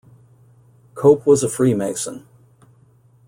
Cope was a Freemason.